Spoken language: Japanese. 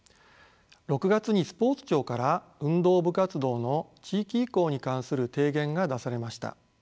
６月にスポーツ庁から運動部活動の地域移行に関する提言が出されました。